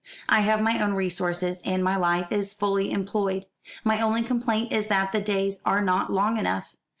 I have my own resources, and my life is fully employed. My only complaint is that the days are not long enough.